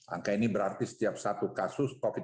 angka ini berarti setiap satu kasus covid sembilan belas